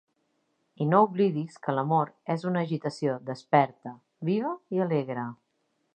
I no oblidis que l’amor és una agitació desperta, viva i alegre.